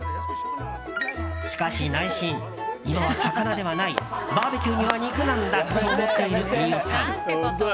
しかし内心、今は魚ではないバーベキューには肉なんだと思っている飯尾さん。